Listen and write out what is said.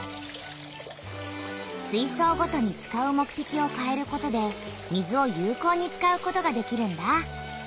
水そうごとに使う目てきをかえることで水を有こうに使うことができるんだ。